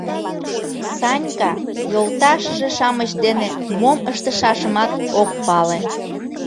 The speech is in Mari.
Санька йолташыже-шамыч дене мом ыштышашымат ок пале.